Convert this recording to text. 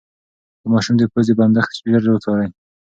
د ماشوم د پوزې بندښت ژر وڅارئ.